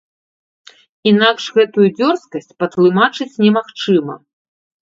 Інакш гэтую дзёрзкасць патлумачыць немагчыма.